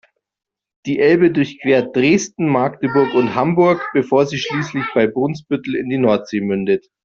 Die Elbe durchquert Dresden, Magdeburg und Hamburg, bevor sie schließlich bei Brunsbüttel in die Nordsee mündet.